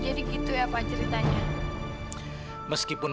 agar papa bisa terus bersama kalian